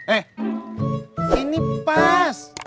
eh ini pas